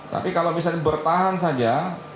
tapi kalau misalnya bertahan saja